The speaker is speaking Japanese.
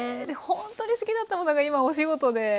ほんとに好きだったものが今お仕事で。